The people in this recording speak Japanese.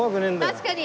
確かに！